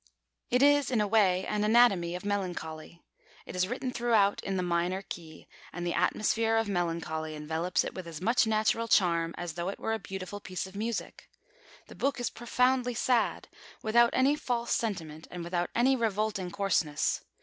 It is in a way an anatomy of melancholy. It is written throughout in the minor key, and the atmosphere of melancholy envelops it with as much natural charm as though it were a beautiful piece of music. The book is profoundly sad, without any false sentiment and without any revolting coarseness.